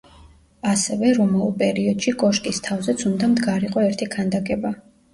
ასევე, რომაულ პერიოდში, კოშკის თავზეც უნდა მდგარიყო ერთი ქანდაკება.